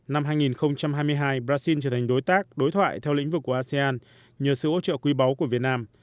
năm hai nghìn hai mươi hai brazil trở thành đối tác đối thoại theo lĩnh vực của asean nhờ sự ốc quý báu của việt nam